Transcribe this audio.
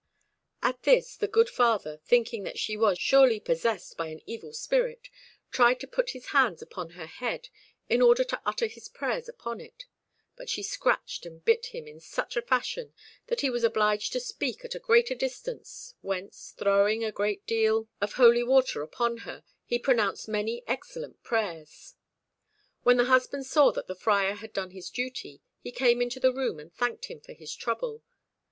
At this, the good father, thinking that she was surely possessed by an evil spirit, tried to put his hands upon her head, in order to utter his prayers upon it; but she scratched and bit him in such a fashion, that he was obliged to speak at a greater distance, whence, throwing a great deal of holy water upon her, he pronounced many excellent prayers. When the husband saw that the Friar had done his duty, he came into the room and thanked him for his trouble.